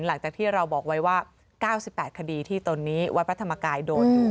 หลังจากที่เราบอกไว้ว่า๙๘คดีที่ตอนนี้วัดพระธรรมกายโดนอยู่